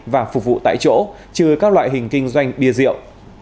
và phục vụ tại chỗ trừ các loại hình kinh doanh bia rượu